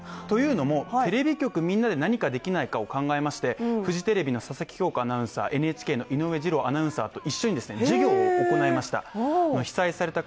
というのもテレビ局みんなで何かできないかを考えましてフジテレビの佐々木恭子アナウンサー、ＮＨＫの井上二郎アナウンサーと一緒に授業を行いました。